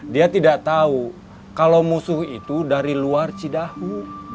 dia tidak tau kalo musuh itu dari luar cidahu